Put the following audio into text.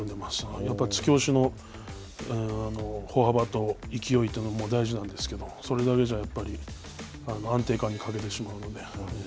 やっぱり突き押しの歩幅と勢いというのも大事なんですけれども、それだけじゃ、やっぱり安定感に欠けてしまうので。